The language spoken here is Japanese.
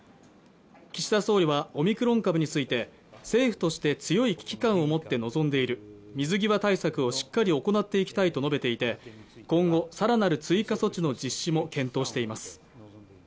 岸田総理は、オミクロン株について、政府として強い危機感を持って臨んでいる、水際対策をしっかり行っていきたいと述べていて今後更なる追加措置の実施も検討しています。